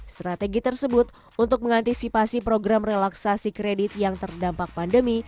strategi tersebut untuk mengantisipasi program relaksasi kredit yang terdampak pandemi